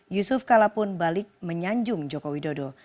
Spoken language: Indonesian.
yusuf kala pun balik menyanjung jokowi dodo